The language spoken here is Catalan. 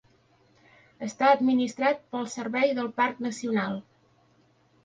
Està administrat pel Servei del Parc Nacional.